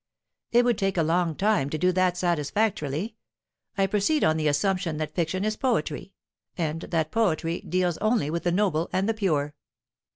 "It would take a long time to do that satisfactorily. I proceed on the assumption that fiction is poetry, and that poetry deals only with the noble and the pure."